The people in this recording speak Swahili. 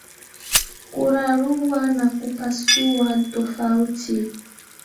Kurarua na kupasua ntofauti